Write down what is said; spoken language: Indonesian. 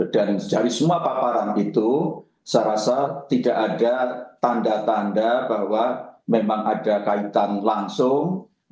dan dari semua paparan itu saya rasa tidak ada tanda tanda bahwa memang ada kaitan langsung